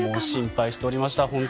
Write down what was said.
心配しておりました。